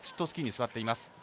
スキーに座っています。